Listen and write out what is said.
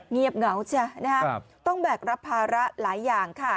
เงียบเหงาใช่ไหมต้องแบกรับภาระหลายอย่างค่ะ